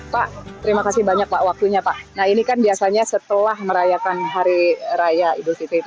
pak terima kasih banyak pak waktunya pak nah ini kan biasanya setelah merayakan hari raya idul fitri